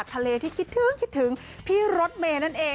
ทะเลที่คิดถึงคิดถึงพี่รถเมย์นั่นเอง